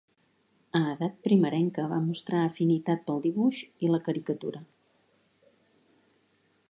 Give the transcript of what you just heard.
A edat primerenca va mostrar afinitat pel dibuix i la caricatura.